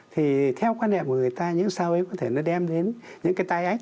thì theo quan niệm của người ta những sao ấy có thể nó đem đến những cái tai ách